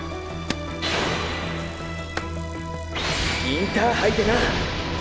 インターハイでな！